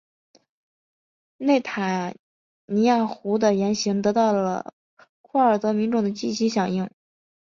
内塔尼亚胡的言行得到了库尔德民众的积极响应。